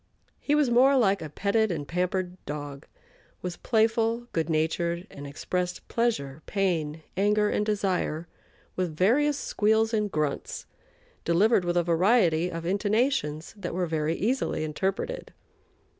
He was more like a petted and pampered dog, was playful, good natured, and expressed pleasure, pain, anger, and desire, with various squeals and grunts, delivered with a variety of intonations that were very easily interpreted.